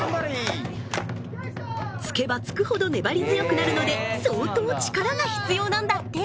つけばつくほど粘り強くなるので相当力が必要なんだって！